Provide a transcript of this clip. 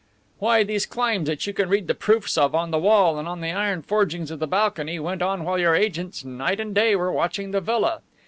"Why, these climbs that you can read the proofs of on the wall and on the iron forgings of the balcony went on while your agents, night and day, were watching the villa.